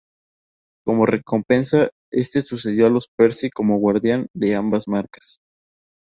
Como recompensa, este sucedió a los Percy como guardián de ambas marcas.